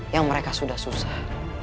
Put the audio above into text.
yang mereka sudah susah